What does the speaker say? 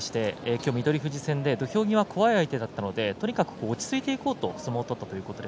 翠富士戦、土俵際怖い相手だったので、とにかく落ち着いていこうということで相撲を取った。